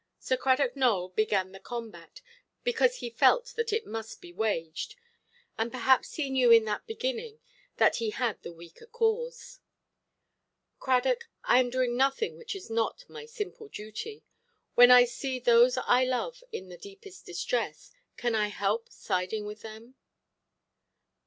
Sir Cradock Nowell began the combat, because he felt that it must be waged; and perhaps he knew in that beginning that he had the weaker cause. "Cradock, I am doing nothing which is not my simple duty. When I see those I love in the deepest distress, can I help siding with them"?